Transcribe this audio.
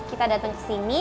kita dateng kesini